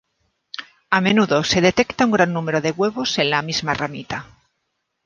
A menudo se detecta un gran número de huevos en la misma ramita.